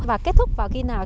và kết thúc vào khi nào